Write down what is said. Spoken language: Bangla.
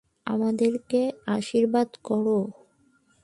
আমাদেরকে আশীর্বাদ করো।